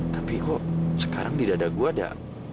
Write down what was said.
tapi kok sekarang di dada gue ada